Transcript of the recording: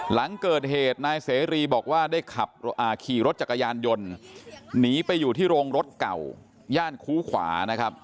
หลังเกิดเหตุนายเสรีบอกว่าได้ขับขี่รถจักรยานยนต์หนีไปอยู่ที่โรงรถเก่าย่านคูขวานะครับ